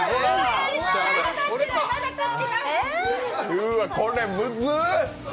うわ、これムズっ！！